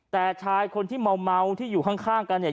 แต่ชายคนที่เมาที่อยู่ข้างกันเนี่ย